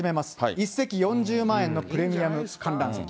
１席４０万円のプレミアム観覧席。